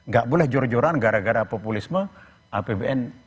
gak boleh jur joran gara gara populisme apbn